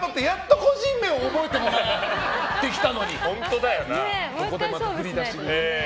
ここでまた振り出しに。